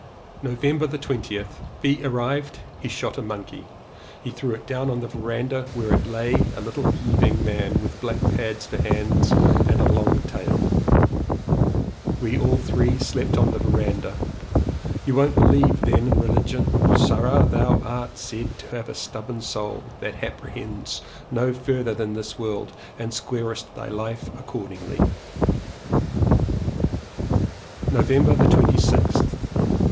November 20th. B . arrived. He shot a monkey. He threw it down on the verandah where it 258 LLEWELLYN POWYS lay, a little heaving man with black pads for hands and a long white tail. We all three slept on the verandah. ''You don't believe then in religion.^" "Sirrah thou art said to have a stubborn soul, that apprehends no further than this world and squarest thy life according." November 26th.